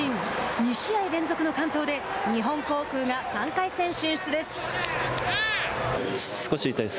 ２試合連続の完投で日本航空が３回戦進出です。